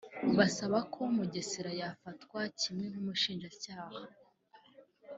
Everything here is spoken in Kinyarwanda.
basaba ko Mugesera yafatwa kimwe nk’Ubushinjacyaha